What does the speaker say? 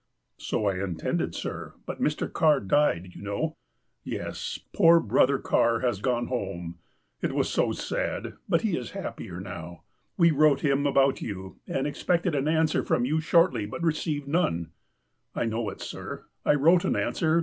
"So I intended, sir, but Mr. Carr died, you know." " Yes, poor Brother Carr has gone home. It was so sad. But he is happier now. We wrote him about you, and expected an answer from you shortly, but received none." '' I know it, sir. I wrote an answer.